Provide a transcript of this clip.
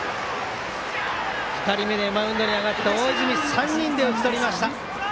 ２人目でマウンドに上がった大泉３人で打ち取りました。